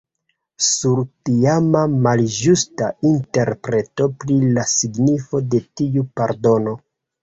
Sur tiama malĝusta interpreto pri la signifo de tiu pardono.